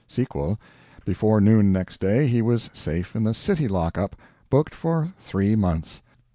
Sequel: before noon, next day, he was safe in the city lockup booked for three months.